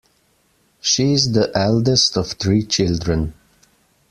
She is the eldest of three children.